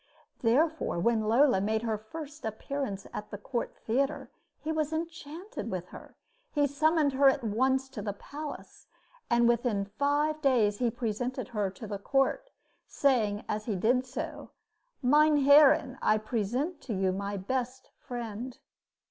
Therefore when Lola made her first appearance at the Court Theater he was enchanted with her. He summoned her at once to the palace, and within five days he presented her to the court, saying as he did so: "Meine Herren, I present you to my best friend."